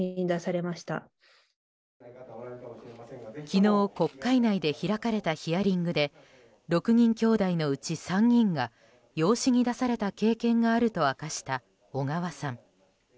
昨日、国会内で開かれたヒアリングで６人きょうだいのうち３人が養子に出された経験があると明かした小川さん。